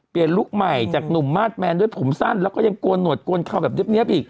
ลุคใหม่จากหนุ่มมาสแมนด้วยผมสั้นแล้วก็ยังโกนหวดโกนเขาแบบเรียบอีก